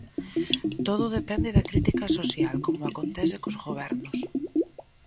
Todo depende da crítica social, como acontece cos gobernos.